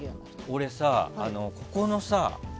俺さ、ここのさ